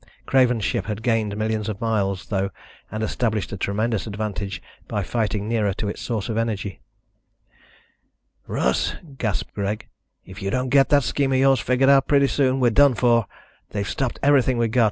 Craven's ship had gained millions of miles, though, and established a tremendous advantage by fighting nearer to its source of energy. "Russ," gasped Greg, "if you don't get that scheme of yours figured out pretty soon, we're done for. They've stopped everything we've got.